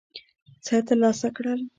څه ترلاسه کړل.